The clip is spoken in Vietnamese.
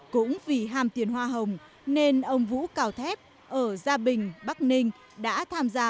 cũng vì hàm tiền hoa hồng nên ông vũ cào thép ở gia bình bắc ninh đã tham gia